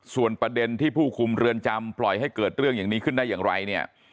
ส่วนประเด็นที่ผู้คุมเรือนจำปล่อยให้เกิดเรื่องอย่างนี้ขึ้นได้อย่างไรเนี่ย